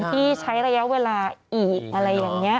ที่ใช้ระยะเวลาอีกอะไรอย่างนี้